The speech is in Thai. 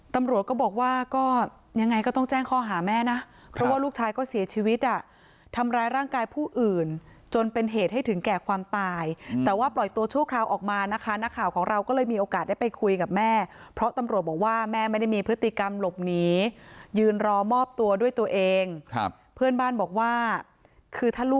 ตำรวจก็บอกว่าก็ยังไงก็ต้องแจ้งข้อหาแม่นะเพราะว่าลูกชายก็เสียชีวิตอ่ะทำร้ายร่างกายผู้อื่นจนเป็นเหตุให้ถึงแก่ความตายแต่ว่าปล่อยตัวชั่วคราวออกมานะคะนักข่าวของเราก็เลยมีโอกาสได้ไปคุยกับแม่เพราะตำรวจบอกว่าแม่ไม่ได้มีพฤติกรรมหลบหนียืนรอมอบตัวด้วยตัวเองครับเพื่อนบ้านบอกว่าคือถ้าลูก